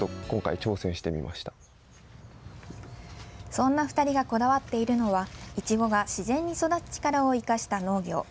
そんな２人がこだわっているのはいちごが自然に育つ力を生かした農業。